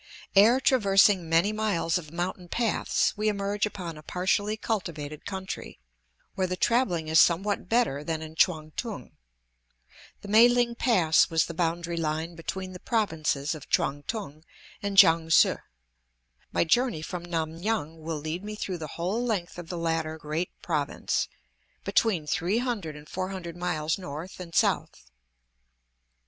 Ere traversing many miles of mountain paths we emerge upon a partially cultivated country, where the travelling is somewhat better than in Quang tung. The Mae ling Pass was the boundary line between the provinces of Quang tung and Kiang se; my journey from Nam ngan will lead me through the whole length of the latter great province, between three hundred and four hundred miles north and south.